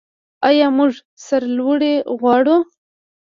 آیا موږ سرلوړي غواړو؟